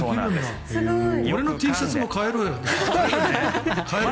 俺のＴシャツも変えろよ。